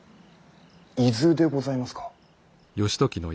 伊豆でございますか。